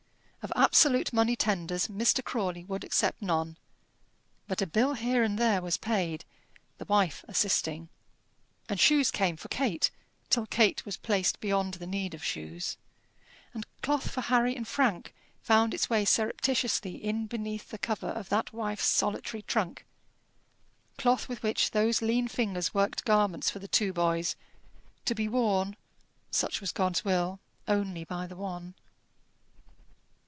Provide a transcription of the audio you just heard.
Of absolute money tenders Mr. Crawley would accept none. But a bill here and there was paid, the wife assisting; and shoes came for Kate till Kate was placed beyond the need of shoes; and cloth for Harry and Frank found its way surreptitiously in beneath the cover of that wife's solitary trunk cloth with which those lean fingers worked garments for the two boys, to be worn such was God's will only by the one.